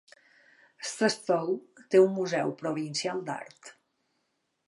Rzeszów té un museu provincial d'art.